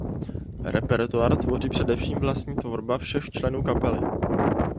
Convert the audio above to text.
Repertoár tvoří především vlastní tvorba všech členů kapely.